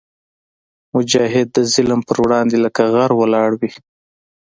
مجاهد د ظلم پر وړاندې لکه غر ولاړ وي.